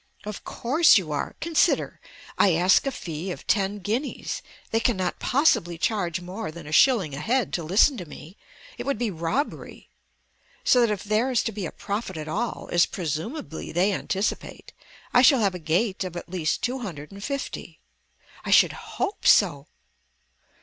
"Of course you are. Consider. I ask a fee of ten guineas. They cannot possibly charge more than a shilling a head to listen to me. It would be robbery. So that if there is to be a profit at all, as presumably they anticipate, I shall have a gate of at least two hundred and fifty." "I should hope so."